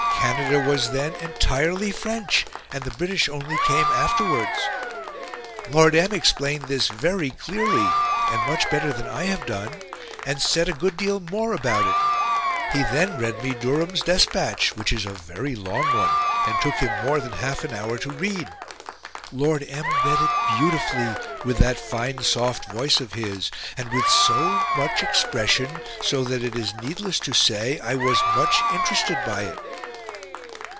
Canada was then entirely French, and the British only came afterwards... Lord M. explained this very clearly (and much better than I have done) and said a good deal more about it. He then read me Durham's despatch, which is a very long one and took him more than 1/2 an hour to read. Lord M. read it beautifully with that fine soft voice of his, and with so much expression, so that it is needless to say I was much interested by it."